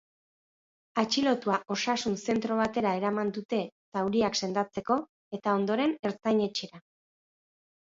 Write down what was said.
Atxilotua osasun zentro batera eraman dute, zauriak sendatzeko, eta ondoren ertzain-etxera.